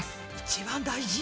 一番大事？